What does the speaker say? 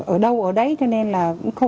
ở đâu ở đấy cho nên là